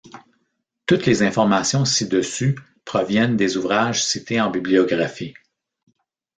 Toutes les informations ci-dessus proviennent des ouvrages cités en bibliographie.